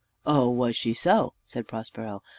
"O, was she so?" said Prospero.